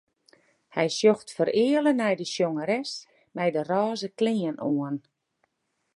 Hy sjocht fereale nei de sjongeres mei de rôze klean oan.